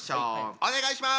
お願いします！